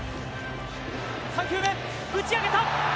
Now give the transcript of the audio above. ３球目、打ち上げた。